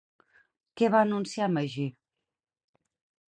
Què va anunciar Magí?